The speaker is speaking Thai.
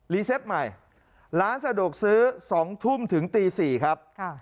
เซตใหม่ร้านสะดวกซื้อ๒ทุ่มถึงตี๔ครับ